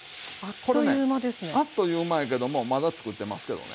これねあっという間やけどもまだつくってますけどね。